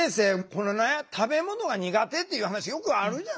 これね食べ物が苦手っていう話よくあるじゃないですか。